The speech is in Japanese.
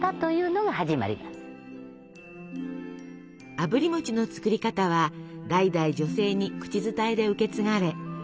あぶり餅の作り方は代々女性に口伝えで受け継がれ守られてきました。